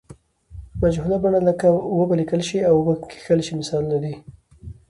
مجهوله بڼه لکه و به لیکل شي او و به کښل شي مثالونه دي.